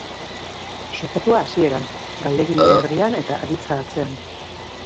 Sujetua hasieran, galdegilea erdian eta aditza atzean.